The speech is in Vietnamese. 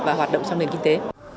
và hoạt động trong nền kinh tế